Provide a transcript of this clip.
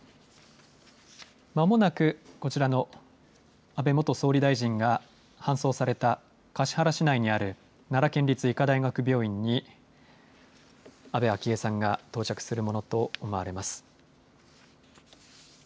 まもなくこちらの、安倍元総理大臣が搬送された橿原市内にある奈良県立医科大学病院に、安倍昭恵さんが到着するものと思われます。